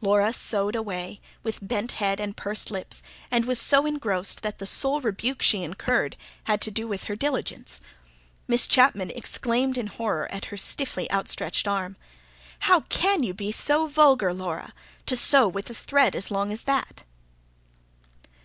Laura sewed away, with bent head and pursed lips, and was so engrossed that the sole rebuke she incurred had to do with her diligence. Miss Chapman exclaimed in horror at her stiffly outstretched arm. "How CAN you be so vulgar, Laura? To sew with a thread as long as that!"